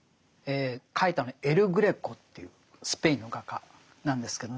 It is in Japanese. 描いたのはエル・グレコというスペインの画家なんですけどね。